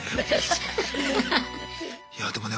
いやあでもね